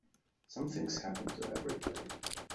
Something's happened to everybody.